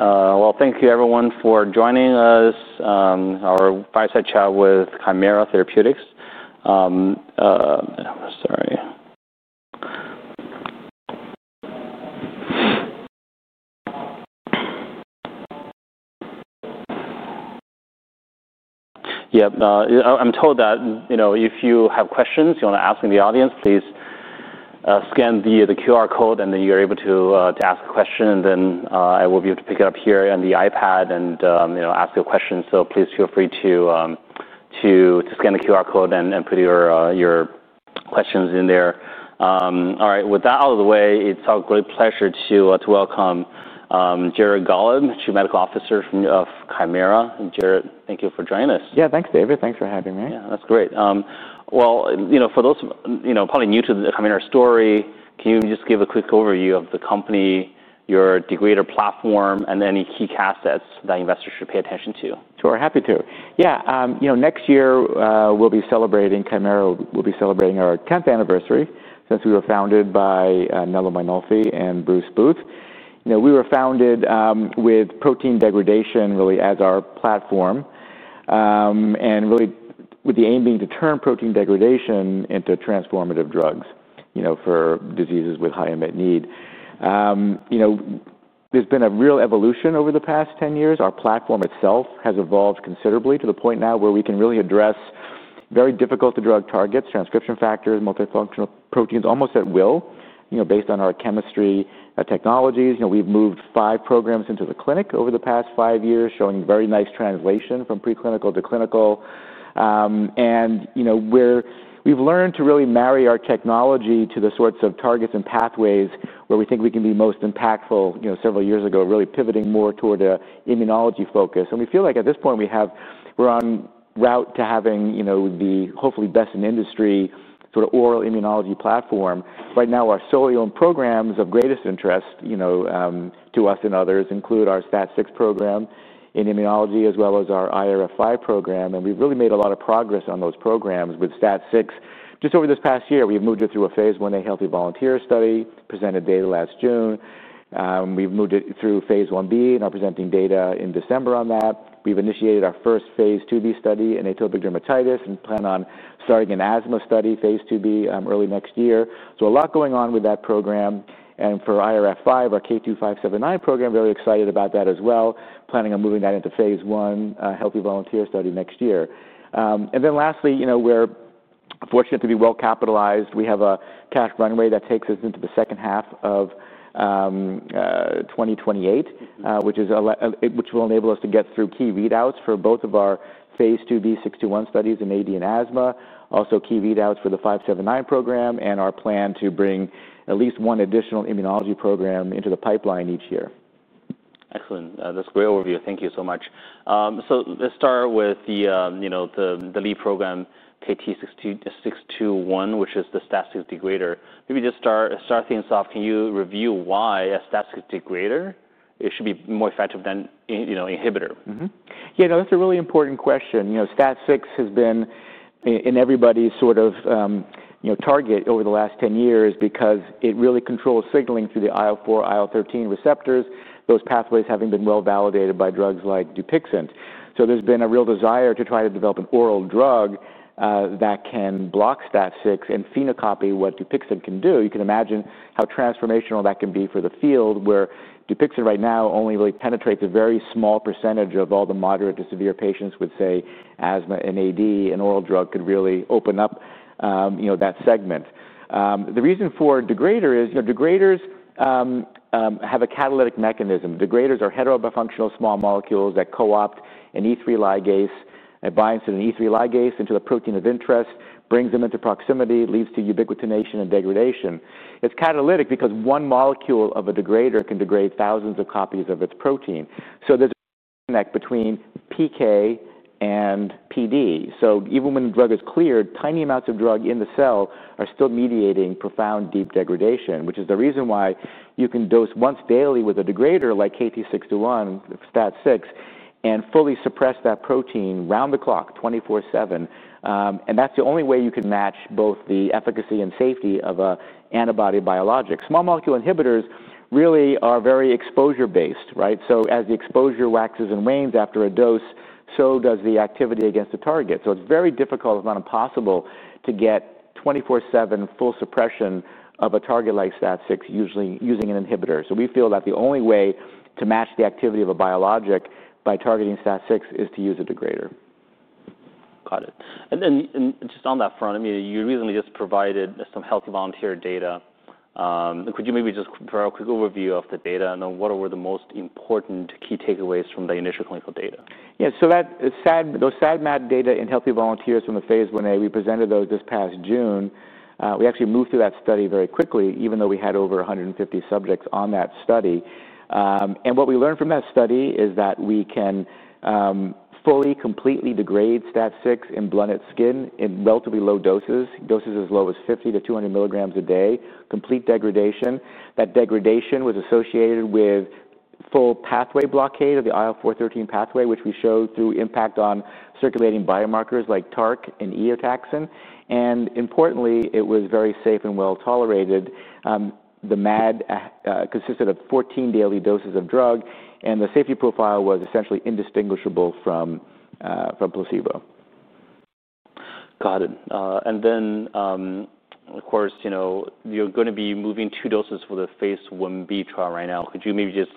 All right, thank you, everyone, for joining us. Our fireside chat with Kymera Therapeutics. Sorry. Yep. I'm told that, you know, if you have questions you want to ask in the audience, please scan the QR code and then you're able to ask a question. I will be able to pick it up here on the iPad and ask a question. Please feel free to scan the QR code and put your questions in there. All right. With that out of the way, it's our great pleasure to welcome Jared Gollob, Chief Medical Officer of Kymera. Jared, thank you for joining us. Yeah, thanks, David. Thanks for having me. Yeah, that's great. For those probably new to the Kymera story, can you just give a quick overview of the company, your degrader platform, and any key assets that investors should pay attention to? Sure. Happy to. Yeah. You know, next year we'll be celebrating. Kymera will be celebrating our 10th anniversary. Since we were founded by Nello Mainolfi and Bruce Booth, we were founded with protein degradation really as our platform and really with the aim being to turn protein degradation into transformative drugs, you know, for diseases with high unmet need. You know, there's been a real evolution over the past 10 years. Our platform itself has evolved considerably to the point now where we can really address very difficult to drug targets, transcription factors, multifunctional proteins almost at will. You know, based on our chemistry technologies. You know, we've moved five programs into the clinic over the past five years, showing very nice translation from preclinical to clinical and, you know, where we've learned to really marry our technology to the sorts of targets and pathways where we think we can be most impactful. You know, several years ago, really pivoting more toward an immunology focus. We feel like at this point we have, we're on route to having, you know, the hopefully best in industry sort of oral immunology platform right now. Our solely owned programs of greatest interest, you know, to us and others include our STAT6 program, immunology, as well as our IRF5 program. We've really made a lot of progress on those programs with STAT6. Just over this past year, we've moved it through a phase 1A healthy volunteer study, presented data last June. We've moved it through phase 1B and are presenting data in December on that. We've initiated our first phase 2b study in atopic dermatitis and plan on starting an asthma study, phase 2b, early next year. A lot going on with that program and for IRF5, our KT579 program. Very excited about that as well. We planning on moving that into phase one healthy volunteer study next year. Lastly, you know, we're fortunate to be well capitalized. We have a cash runway that takes us into the second half of 2028, which will enable us to get through key readouts for both of our phase 2b studies in AD and asthma. Also key readouts for the 579 program and our plan to bring at least one additional immunology program into the pipeline each year. Excellent. That's a great overview. Thank you so much. Let's start with the, you know, the lead program, KT621, which is the STAT6 degrader. Maybe just start things off. Can you review why a STAT6 degrader should be more effective than, you know, inhibitor? Yeah, that's a really important question. You know, STAT6 has been in everybody's sort of, you know, target over the last 10 years because it really controls signaling through the IL-4, IL-13 receptors. Those pathways having been well validated by drugs like Dupixent. There has been a real desire to try to develop an oral drug that can block STAT6 and phenocopy what Dupixent can do. You can imagine how transformational that can be for the field where Dupixent right now only really penetrates a very small percentage of all the moderate to severe patients with, say, asthma and AD. An oral drug could really open up that segment. The reason for degrader is degraders have a catalytic mechanism. Degraders are heterobifunctional small molecules that co-opt an E3 ligase. It binds to an E3 ligase and to a protein of interest, brings them into proximity, leads to ubiquitination and degradation. It's catalytic because one molecule of a degrader can degrade thousands of copies of its protein. So there's between PK and PD. Even when the drug is cleared, tiny amounts of drug in the cell are still mediating profound deep degradation. Which is the reason why you can dose once daily with a degrader like KT621 STAT6 and fully suppress that protein round the clock 24/7. That's the only way you can match both the efficacy and safety of an antibody biologic. Small molecule inhibitors really are very exposure based, right? As the exposure waxes and wanes after a dose, so does the activity against the target. It's very difficult, if not impossible, to get 24/7 full suppression of a target like STAT6, usually using an inhibitor. We feel that the only way to match the activity of a biologic by targeting STAT6 is to use a degrader. Got it. I mean, you recently just provided some healthy volunteer data. Could you maybe just provide a quick overview of the data and what were the most important key takeaways from the initial clinical data? Yeah, so those SAD MAD data in healthy volunteers from the phase 1A, we presented those this past June. We actually moved through that study very quickly, even though we had over 150 subjects on that study. What we learned from that study is that we can fully, completely degrade STAT6 in blood and skin in relatively low doses, doses as low as 50-200 milligrams a day, complete degradation. That degradation was associated with full pathway blockade of the IL-4/13 pathway, which we showed through impact on circulating biomarkers like TARC and eotaxin. Importantly, it was very safe and well tolerated. The MAD consisted of 14 daily doses of drug and the safety profile was essentially indistinguishable from placebo. Got it. And then of course, you know, you're going to be moving two doses for the phase 1b trial right now. Could you maybe just,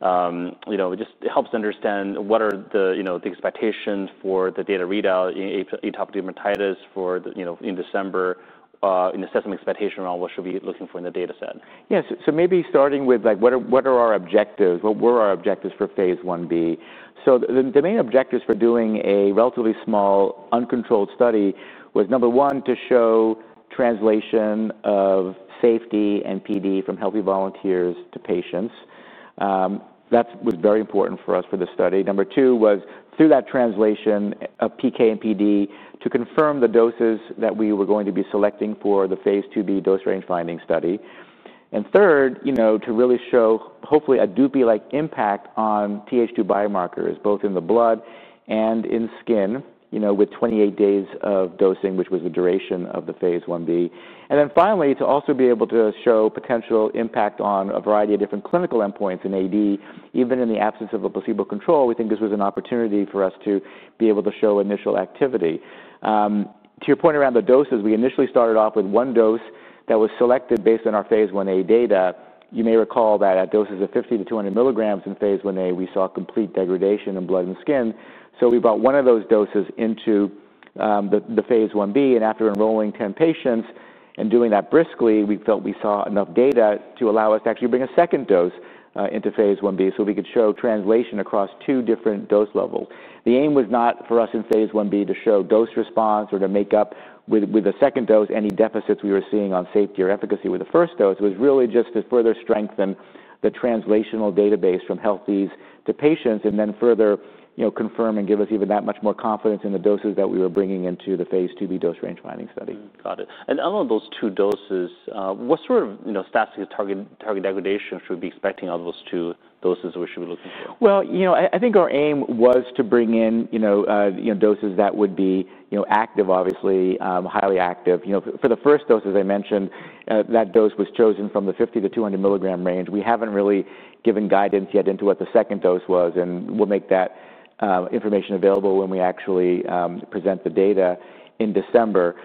you know, just help us understand what are the, you know, the expectations for the data readout, atopic dermatitis for, you know, in December assessment expectation around what should we be looking for in the data set? Yes, so maybe starting with like, what are our objectives? What were our objectives for phase 1B? The main objectives for doing a relatively small uncontrolled study was, number one, to show translation of safety and PD from healthy volunteers to patients. That was very important for us for the study. Number two was through that translation of PK and PD to confirm the doses that we were going to be selecting for the phase 2B dose range finding study. Third, to really show hopefully a Dupixent-like impact on Th2 biomarkers both in the blood and in skin with 28 days of dosing, which was the duration of the phase 1B. Finally, to also be able to show potential impact on a variety of different clinical endpoints in AD, even in the absence of a placebo control. We think this was an opportunity for us to be able to show initial activity to your point, around the doses. We initially started off with one dose that was selected based on our phase 1A data. You may recall that at doses of 50-200 milligrams. In phase 1A, we saw complete degradation in blood and skin. So we brought one of those doses into the phase 1B. And after enrolling 10 patients and doing that briskly, we felt we saw enough data to allow us to actually bring a second dose into phase 1B so we could show translation across two different dose levels. The aim was not for us in phase 1B to show dose response or to make up with a second dose any deficits we were seeing on safety or efficacy with the first dose. It was really just to further strengthen the translational database from healthy volunteers to patients and then further, you know, confirm and give us even that much more confidence in the doses that we were bringing into the phase 2b dose range finding study. Got it. Out of those two doses, what sort of statistics, target degradation should we be expecting of those two doses? Should be looking for? You know, I think our aim was to bring in, you know, doses that would be, you know, active, obviously highly active, you know, for the first dose. As I mentioned, that dose was chosen from the 50-200 milligram range. We have not really given guidance yet into what the second dose was and we will make that information available when we actually present the data in December.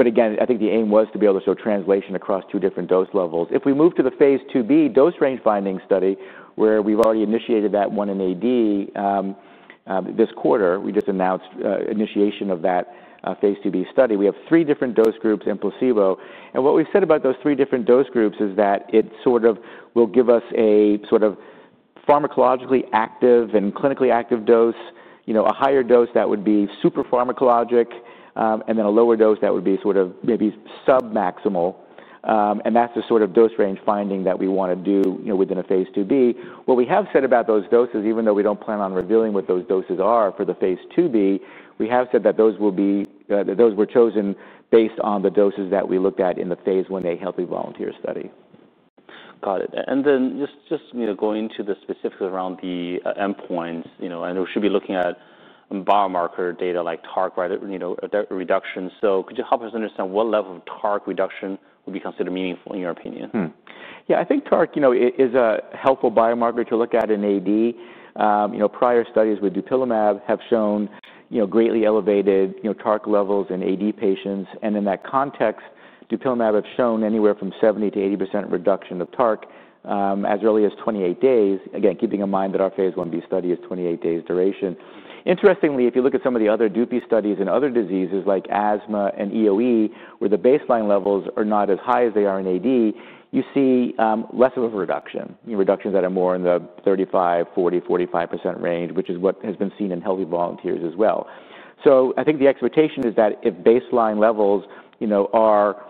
Again, I think the aim was to be able to show translation across two different dose levels. If we move to the phase 2b dose range finding study, where we have already initiated that one in AD this quarter, we just announced initiation of that phase 2b study. We have three different dose groups and placebo and what we said about those three different dose groups is that it sort of will give us a sort of pharmacologically active and clinically active dose. You know, a higher dose that would be super pharmacologic and then a lower dose that would be sort of maybe submaximal. That is the sort of dose range finding that we want to do within a phase 2b. What we have said about those doses, even though we do not plan on revealing what those doses are for the phase 2b, we have said that those will be. Those were chosen based on the doses that we looked at in the phase 1a healthy volunteer study. Got it. Just going to the specifics around the endpoints and we should be looking at biomarker data like TARC reduction. Could you help us understand what level of TARC reduction would be considered meaningful in your opinion? Yeah, I think TARC, you know, is a helpful biomarker to look at in AD. Prior studies with Dupixent have shown greatly elevated TARC levels in AD patients. In that context, Dupixent has shown anywhere from 70-80% reduction of TARC as early as 28 days. Again, keeping in mind that our phase 1B study is 28 days duration. Interestingly, if you look at some of the other Dupixent studies in other diseases like asthma and EoE, where the baseline levels are not as high as they are in AD, you see less of a reduction, reductions that are more in the 35-40-45% range, which is what has been seen in healthy volunteers as well. I think the expectation is that if baseline levels are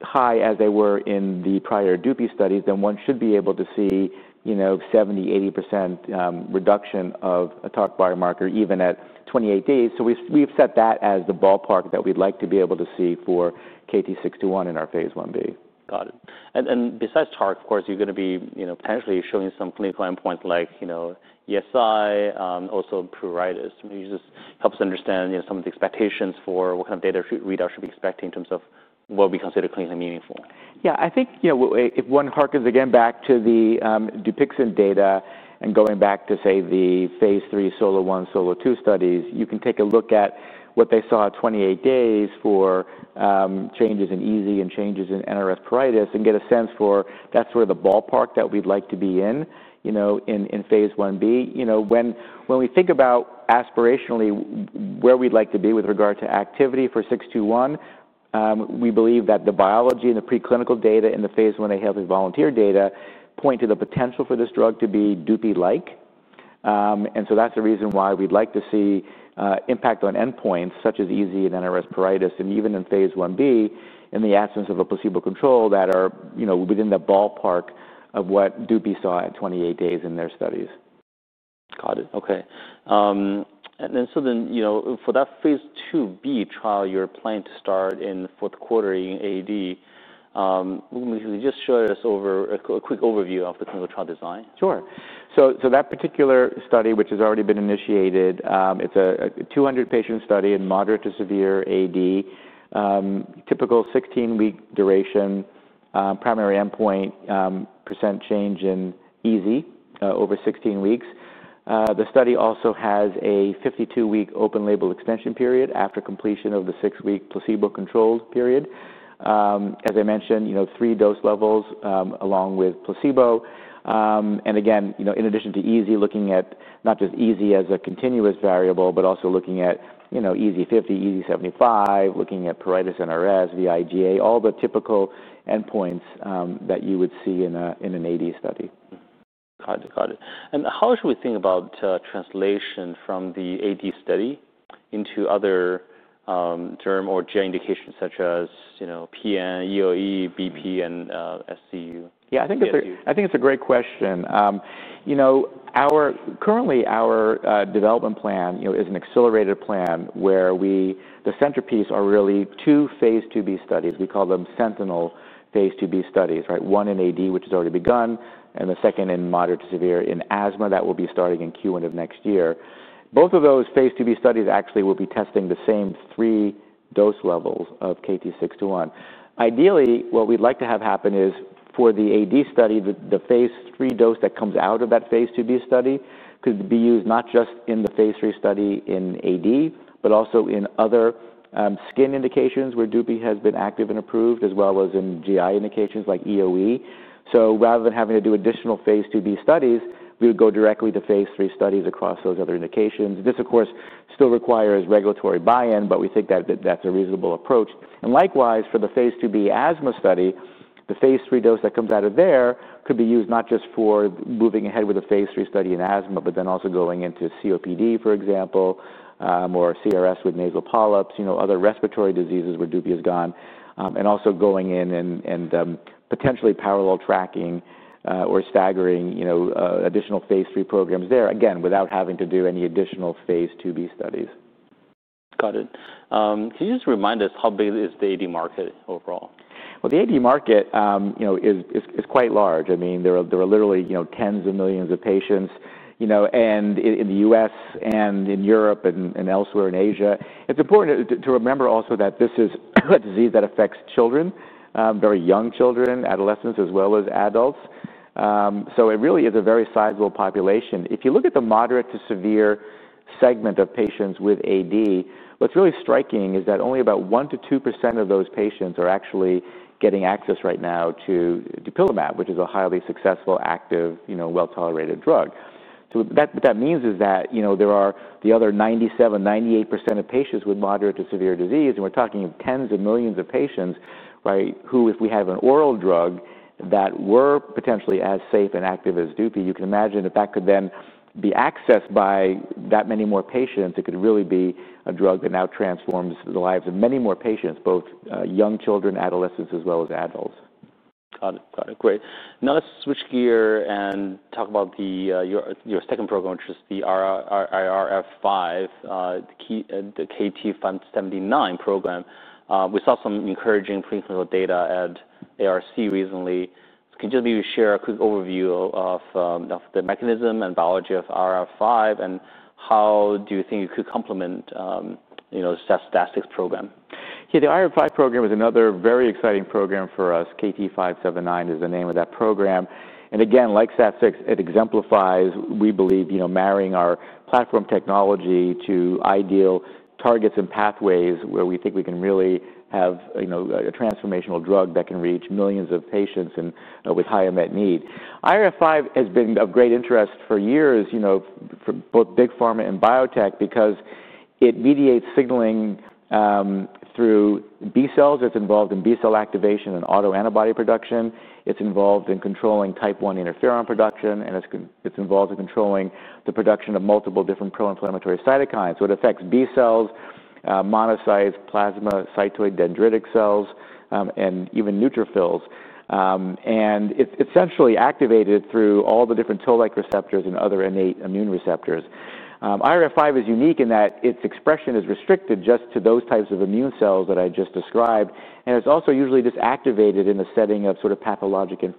high as they were in the prior Dupixent studies, then one should be able to see 70-80% reduction of TARC biomarker even at 28 days. We have set that as the ballpark that we would like to be able to see for KT621 in our phase 1B. Got it. Besides TARC, of course, you're going to be potentially showing some clinical endpoints like EASI. Also, pruritus. Just help us understand some of the expectations for what kind of data readout should be expecting in terms of what we consider clinically meaningful. Yeah, I think if one harkens again back to the Dupixent data and going back to, say, the phase three SOLO 1, SOLO 2 studies, you can take a look at what they saw 28 days for changes in EASI and changes in NRS pruritus and get a sense for. That's sort of the ballpark that we'd like to be in, you know, in phase 1B, you know, when we think about aspirationally where we'd like to be with regard to activity for 621, we believe that the biology and the preclinical data and the phase 1A healthy volunteer data point to the potential for this drug to be Dupixent-like. And so that's the reason why we'd like to see impact on endpoints such as EASI and NRS pruritus. Even in phase 1B in the absence of a placebo control, that are, you know, within the ballpark of what Dupixent saw at 28 days in their studies. Got it. Okay. And then, you know, for that phase 2B trial you're planning to start in the fourth quarter in AD, could you just show us over a quick overview of the clinical trial design? Sure. So that particular study which has already been initiated, it's a 200 patient study in moderate to severe AD. Typical 16 week duration, primary endpoint % change in EASI over 16 weeks. The study also has a 52 week open label extension period after completion of the 16 week planned placebo controlled period. As I mentioned, you know, three dose levels along with placebo. And again, you know, in addition to EASI looking at, not just EASI as a continuous variable, but also looking at, you know, EASI 50, EASI 75, looking at pruritus, NRS, vIGA, all the typical endpoints that you would see in an AD study. Got it, got it. How should we think about translation from the AD study into other derm or gen indications such as, you know, PN, EoE, BP and SCU? Yeah, I think it's a great question. You know, currently our development plan is an accelerated plan where the centerpiece are really two phase 2b studies. We call them sentinel phase 2b studies. Right? One in AD which has already begun, and the second in moderate to severe asthma that will be starting in Q1 of next year. Both of those phase 2b studies actually will be testing the same three dose levels of KT621. Ideally, what we'd like to have happen is for the AD study, the phase 3 dose that comes out of that phase 2b study could be used not just in the phase 3 study in AD, but also in other skin indications where Dupixent has been active and approved, as well as in GI indications like EoE. Rather than having to do additional phase 2b studies, we would go directly to phase 3 studies across those other indications. This of course still requires regulatory buy-in, but we think that that's a reasonable approach. Likewise, for the phase 2b asthma study, the phase 3 dose that comes out of there could be used not just for moving ahead with a phase 3 study in asthma, but then also going into COPD, for example, or CRS with nasal polyps, you know, other respiratory diseases where Dupixent has gone, and also going in and potentially parallel tracking or staggering additional phase 3 programs there again without having to do any additional phase 2b studies. Got it. Can you just remind us how big is the AD market overall? The AD market is quite large. I mean there are literally tens of millions of patients. In the U.S. and in Europe and elsewhere, in Asia. It's important to remember also that this is a disease that affects children, very young children, adolescents as well as adults. It really is a very sizable population. If you look at the moderate to severe segment of patients with AD, what's really striking is that only about 1-2% of those patients are actually getting access right now to dupilumab, which is a highly successful, active, well tolerated drug. What that means is that there are the other 97-98% of patients with moderate to severe disease. We are talking of tens of millions of patients who, if we have an oral drug that were potentially as safe and active as Dupixent, you can imagine that that could then be accessed by that many more patients. It could really be a drug that now transforms the lives of many more patients, both young children, adolescents as well as adults. Got it, got it. Great. Now let's switch gears and talk about your second program, which is the IRF5, the KT579 program. We saw some encouraging preclinical data at ARC recently. Can you just maybe share a quick overview of the mechanism and biology of IRF5 and how do you think it could complement the STAT6 program? The IRF5 program is another very exciting program for us. KT579 is the name of that program. And again, like STAT6, it exemplifies, we believe, marrying our platform technology to ideal targets and pathways where we think we can really have, you know, a transformational drug that can reach millions of patients and with higher met need. IRF5 has been of great interest for years, you know, for both big pharma and biotech, because it mediates signaling through B cells, it's involved in B cell activation and autoantibody production, it's involved in controlling type 1 interferon production and it's called, it's involved in controlling the production of multiple different proinflammatory cytokines. It affects B cells, monocytes, plasmacytoid dendritic cells and even neutrophils. It's essentially activated through all the different toll-like receptors and other innate immune receptors. IRF5 is unique in that its expression is restricted just to those types of immune cells that I just described. It is also usually disactivated in the setting of sort of pathological. It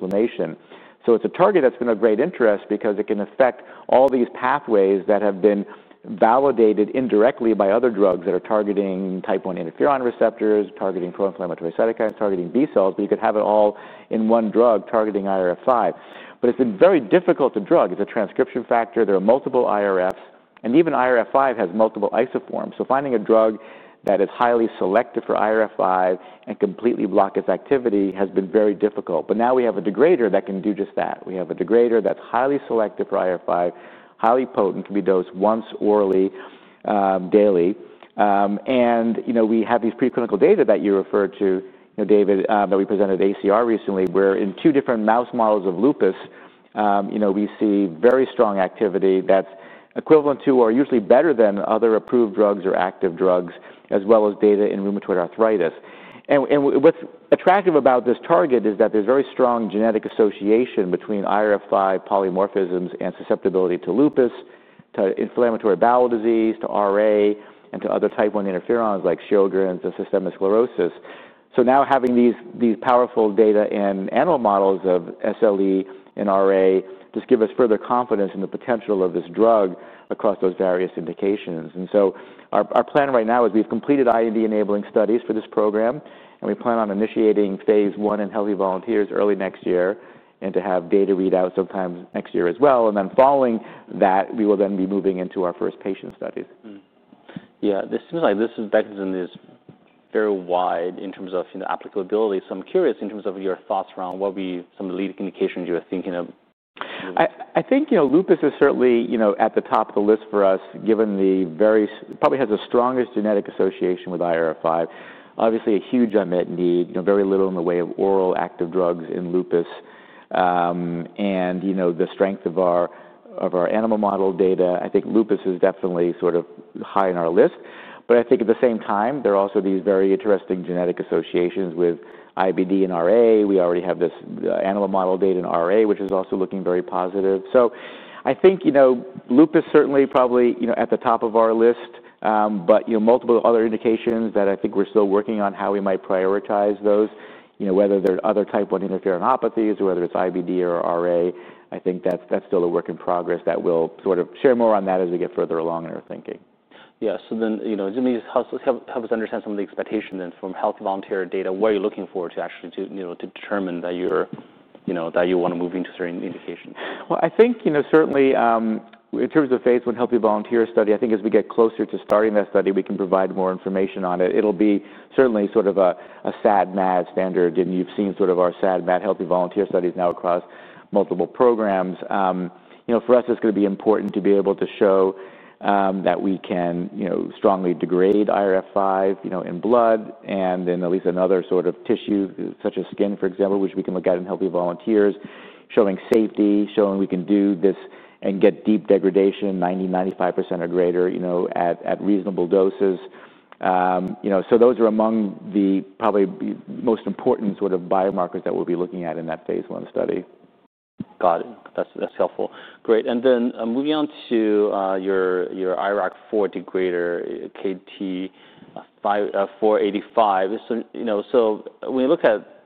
is a target that has been of great interest because it can affect all these pathways that have been validated indirectly by other drugs that are targeting type 1 interferon receptors, targeting pro inflammatory cytokines, targeting B cells. You could have it all in one drug targeting IRF5, but it is very difficult to drug. It is a transcription factor. There are multiple IRFs and even IRF5 has multiple isoforms. Finding a drug that is highly selective for IRF5 and completely block its activity has been very difficult. Now we have a degrader that can do just that. We have a degrader that is highly selective for IRF5, highly potent, can be dosed once orally daily. You know, we have these preclinical data that you referred to, David, that we presented at ACR recently, where in two different mouse models of lupus, you know, we see very strong activity that's equivalent to or usually better than other approved drugs or active drugs, as well as data in rheumatoid arthritis. What's attractive about this target is that there's very strong genetic association between IRF5 polymorphisms and susceptibility to lupus, to inflammatory bowel disease, to RA and to other type 1 interferons like Sjogren systemic sclerosis. Now having these powerful data and animal models of SLE and RA just give us further confidence in the potential of this drug across those various indications. Our plan right now is we've completed IND enabling studies for this program and we plan on initiating phase one in healthy volunteers early next year and to have data readout sometime next year as well. Following that, we will then be moving into our first patient studies. Yeah, this seems like this mechanism is very wide in terms of applicability. I am curious in terms of your thoughts around what would be some of the leading indications you are thinking of. I think, you know, lupus is certainly, you know, at the top of the list for us, given the very. Probably has the strongest genetic association with IRF5. Obviously a huge unmet need, you know, very little in the way of oral active drugs in lupus. And, you know, the strength of our. Of our animal model data, I think lupus is definitely sort of high on our list. I think at the same time there are also these very interesting genetic associations with IBD in RA. We already have this animal model data in RA, which is also looking very positive. I think, you know, lupus is certainly probably, you know, at the top of our list. You know, multiple other indications that I think we're still working on how we might prioritize those, you know, whether there are other type 1 interferonopathies or whether it's IBD or RA. I think that's still a work in progress that we'll sort of share more on that as we get further along in our thinking. Yeah, so then, you know, help us understand some of the expectations then for. From healthy volunteer data. What are you looking for, to actually determine that you're, you know, that you want to move into certain indications. I think, you know, certainly in terms of phase one healthy volunteer study, I think as we get closer to starting that study, we can provide more information on it. It'll be certainly sort of a SAD MAD standard. And you've seen sort of our SAD MAD healthy volunteer studies now across multiple programs. You know, for us it's going to be important to be able to show that we can, you know, strongly degrade IRF5, you know, in blood and then at least another sort of tissue such as skin, for example, which we can look at in healthy volunteers, showing safety, showing we can do this and get deep degradation 90-95% or greater, you know, at reasonable doses, you know, so those are among the probably most important sort of biomarkers that we'll be looking at in that phase one study. Got it. That's helpful. Great. And then moving on to your IRAK4 degrader, KT, you know, so when you look at,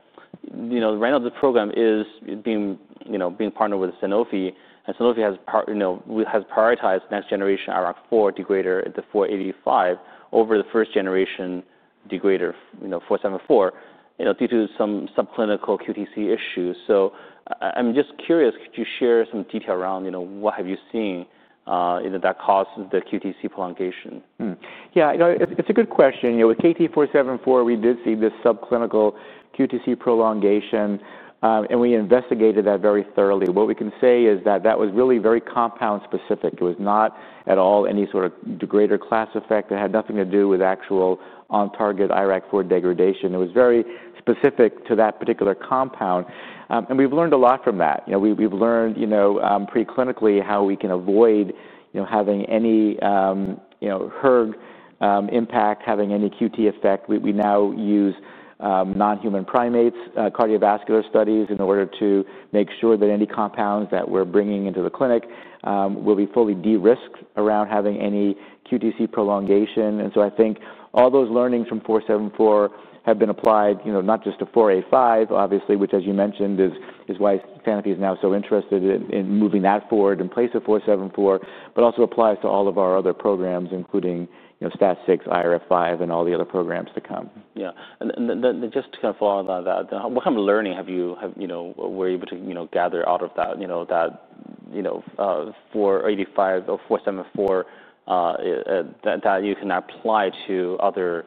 you know, right now the program is being, you know, being partnered with Sanofi and Sanofi has, you know, has prioritized next generation IRAK4 degrader, the 485 over the first generation degrader, you know, 474, you know, due to some subclinical QTc issues. So I'm just curious, could you share some detail around, you know, what have you seen that caused the QTc prolongation? Yeah, it's a good question. With KT474, we did see this subclinical QTc prolongation and we investigated that very thoroughly. What we can say is that that was really very compound specific. It was not at all any sort of degrader class effect. It had nothing to do with actual on-target IRAK4 degradation. It was very specific to that particular compound. And we've learned a lot from that. We've learned preclinically how we can avoid having any HERG impact, having any QT effect. We now use non-human primate cardiovascular studies in order to make sure that any compounds that we're bringing into the clinic will be fully de-risked around having any QTc prolongation. I think all those learnings from KT474 have been applied not just to KT485 obviously, which as you mentioned is why Sanofi is now so interested in moving that forward in place of KT474, but also applies to all of our other programs including STAT6, IRF5 and all the other programs to come. Yeah. Just to kind of follow that, what kind of learning have you were able to gather out of that? 485. Or KT474 that you can apply to other degraders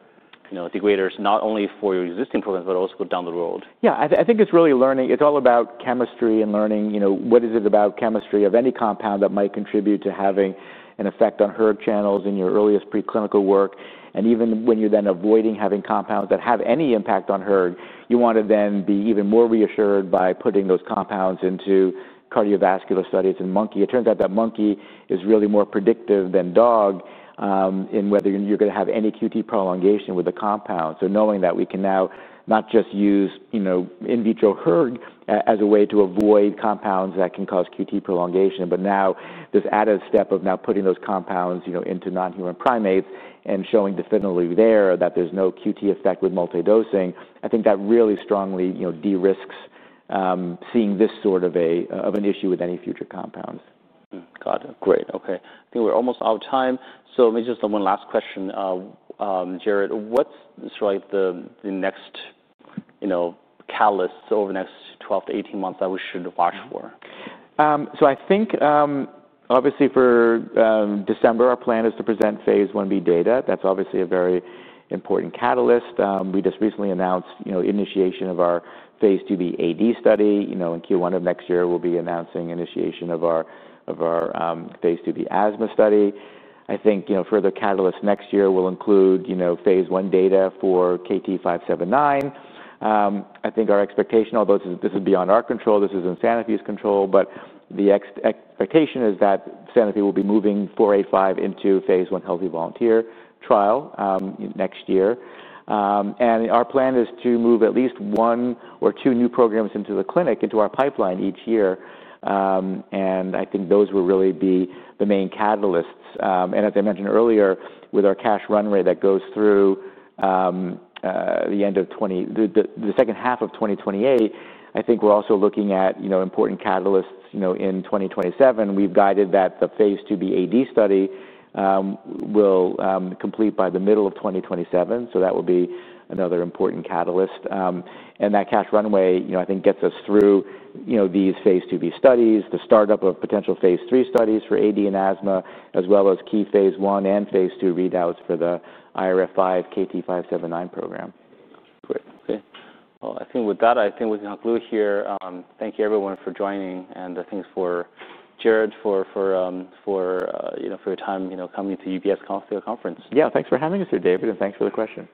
not only for your existing programs, but also down the road? Yeah, I think it's really learning. It's all about chemistry and learning, you know, what is it about chemistry of any compound that might contribute to having an effect on HERG channels in your earliest preclinical work? And even when you're then avoiding having compounds that have any impact on HERG, you want to then be even more reassured by putting those compounds into cardiovascular studies in monkey. It turns out that monkey is really more predictive than dog in whether you're going to have any QTc prolongation with a compound. Knowing that we can now not just use, you know, in vitro HERG as a way to avoid compounds that can cause QTc prolongation, but now this added step of now putting those compounds, you know, into non-human primates and showing definitively there that there's no QTc effect with multi-dosing, I think that really strongly, you know, de-risks seeing this sort of an issue with any future compounds. Got it. Great. Okay. I think we're almost out of time, so maybe just one last question, Jared. What's the next catalyst over the next 1218 months that we should watch for? I think obviously for December, our plan is to present phase 1B data. That's obviously a very important catalyst. We just recently announced initiation of our phase 2B AD study. In Q1 of next year, we'll be announcing an initiation of our phase 2B asthma study. I think, you know, further catalysts next year will include, you know, phase 1 data for KT579. I think our expectation, although this is beyond our control, this is in Sanofi's control. The expectation is that Sanofi will be moving KT485 into a phase 1 healthy volunteer trial next year. Our plan is to move at least one or two new programs into the clinic, into our pipeline each year. I think those will really be the main catalysts. As I mentioned earlier, with our cash run rate that goes through the end of 2028, I think we're also looking at important catalysts in 2027. We've guided that the phase IIb study will complete by the middle of 2027. That will be another important catalyst. That cash runway, I think, gets us through these phase IIb studies, the startup of potential phase 3 studies for AD and asthma, as well as key phase 1 and phase 2 readouts for the IRF5 KT579 program. Great. Okay. I think with that, I think we can conclude here. Thank you everyone for joining and thanks to Jared for your time coming to the UPS conference. Yeah, thanks for having us here, David, and thanks for the question.